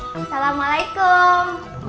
biar kamu gak ngambek